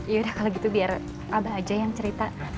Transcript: yaudah kalau gitu biar abah aja yang cerita